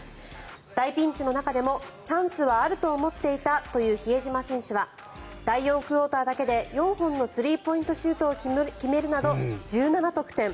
大ピンチの中でもチャンスはあると思っていたという比江島選手は第４クオーターだけで４本のスリーポイントシュートを決めるなど１７得点。